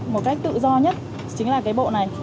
một cách tự do nhất chính là cái bộ này